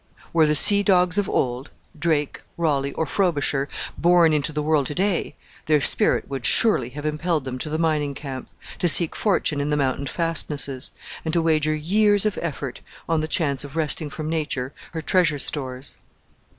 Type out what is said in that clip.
Were the sea dogs of old Drake, Raleigh, or Frobisher born into the world to day, their spirit would surely have impelled them to the mining camp, to seek fortune in the mountain fastnesses, and to wager years of effort on the chance of wresting from Nature her treasure stores.